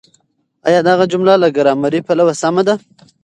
آيا دغه جمله له ګرامري پلوه سمه ده؟